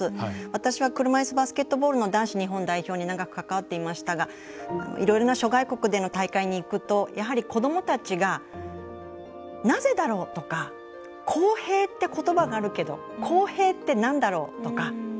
私は車いすバスケットボールの男子日本代表に長く関わっていましたがいろいろな諸外国での大会に行くとやはり、子どもたちがなぜだろうとか公平ってことばがあるけど公平ってなんだろうとか。